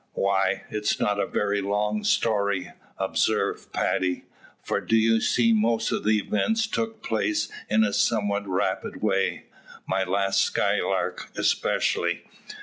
"Why, it is not a very long story," observed Paddy, "for do you see most of the events took place in a somewhat rapid way, my last skylark especially.